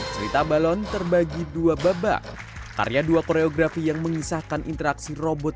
cerita balon terbagi dua babak karya dua koreografi yang mengisahkan interaksi robot